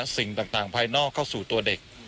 สิ่งต่างภายนอกเข้าสู่ตัวเด็ก